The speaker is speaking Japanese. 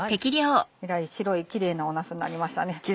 えらい白いキレイななすになりましたね。